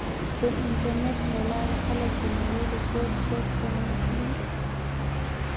د انټرنېټ له لارې خلک د نړۍ له ګوټ ګوټ سره نښلي.